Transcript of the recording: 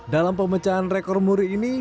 dalam pemecahan rekor muri ini